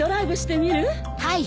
はい。